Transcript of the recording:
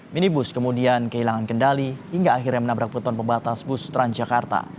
minibus kemudian kehilangan kendali hingga akhirnya menabrak beton pembatas bus transjakarta